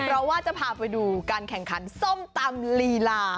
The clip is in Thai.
เพราะว่าจะพาไปดูการแข่งขันส้มตำลีลา